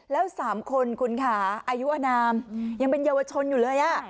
แล้ว๓คนคุณค่ะอายุอนามยังเป็นเยาวชนอยู่เลย